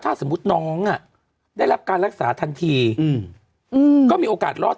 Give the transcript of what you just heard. ถ้าสมมุติน้องอ่ะได้รับการรักษาทันทีอืมก็มีโอกาสรอด